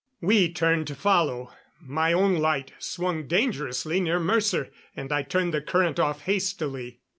We turned to follow; my own light swung dangerously near Mercer, and I turned the current off hastily.